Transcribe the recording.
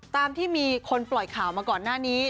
ตามที่มีคนปล่อยข่าวมาก่อนหน้านี้